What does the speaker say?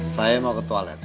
saya mau ke toilet